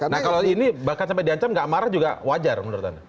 nah kalau ini bahkan sampai diancam nggak marah juga wajar menurut anda